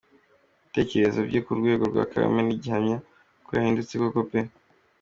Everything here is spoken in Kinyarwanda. Ibitekerezo bye ku rwego rwa Kagame ni gihamya ko yahindutse koko pe.